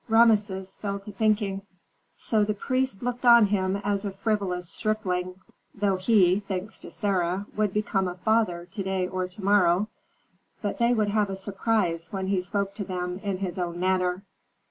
Rameses fell to thinking, "So the priests looked on him as a frivolous stripling, though he, thanks to Sarah, would become a father to day or to morrow. But they would have a surprise when he spoke to them in his own manner."